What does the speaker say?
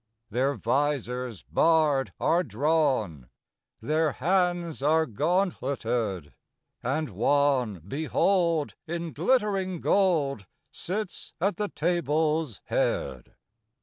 Their visors barred are drawn; Their hands are gauntletéd; And one, behold! in glittering gold Sits at the table's head.